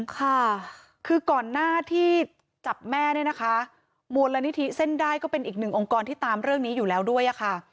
ค่ะคือก่อนหน้าที่จับแม่เนี่ยนะคะมูลนิธิเส้นได้ก็เป็นอีกหนึ่งองค์กรที่ตามเรื่องนี้อยู่แล้วด้วยค่ะ